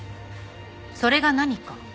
それが何か？